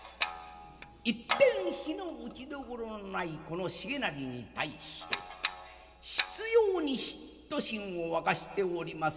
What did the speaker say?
一点非の打ちどころのないこの重成に対して執ように嫉妬心を湧かしております